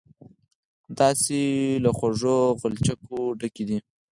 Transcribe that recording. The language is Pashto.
داسې له خوږو غلچکو ډکې دي.